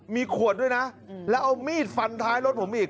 มีขวดด้วยนะแล้วเอามีดฟันท้ายรถผมอีก